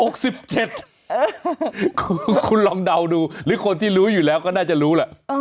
คุณลองเดาดูหรือคนที่รู้อยู่แล้วก็น่าจะรู้แหละ